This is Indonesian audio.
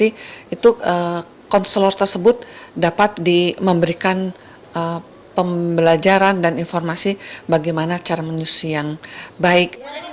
itu konselor tersebut dapat memberikan pembelajaran dan informasi bagaimana cara menyusui yang baik